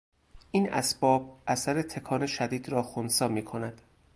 این اسباب اثر تکان شدید را خنثی میکند.